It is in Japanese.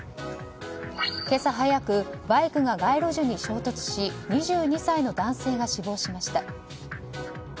今朝早くバイクが街路樹に衝突し２２歳の男性が死亡しました。